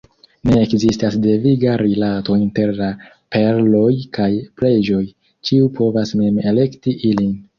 Ne ekzistas deviga rilato inter la perloj kaj preĝoj, ĉiu povas mem elekti ilin.